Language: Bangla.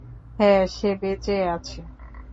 হ্যাঁ, সে বেঁচে আছে।